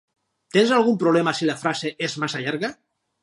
Tens algun problema si la frase és massa llarga?